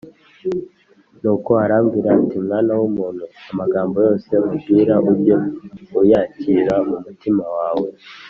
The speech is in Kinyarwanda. Nuko arambwira ati «Mwana w’umuntu, amagambo yose nkubwira ujye uyakira mu mutima wawe